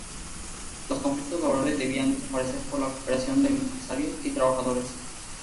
Los conflictos laborales debían desaparecer por la cooperación de empresarios y trabajadores.